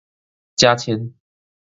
加簽